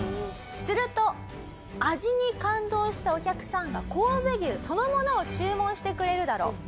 すると味に感動したお客さんが神戸牛そのものを注文してくれるだろう。